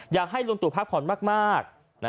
อยากให้พักผ่อนมากมาก